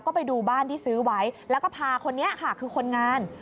ก็ไปดูบ้านที่ซื้อไว้แล้วก็พาคนนี้ค่ะคือคนงาน